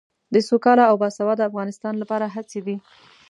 د سوکاله او باسواده افغانستان لپاره هڅې دي.